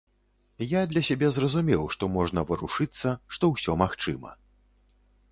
Я для сябе зразумеў, што можна варушыцца, што ўсё магчыма.